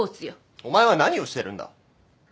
お前は何をしてるんだ？